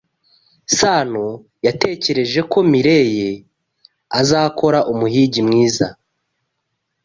Sano yatekereje ko Mirelle azakora umuhigi mwiza.